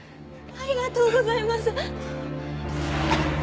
ありがとうございます！